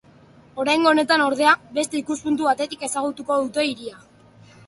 Oraingo honetan, ordea, beste ikuspuntu batetik ezagutuko dute hiria.